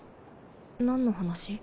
何の話？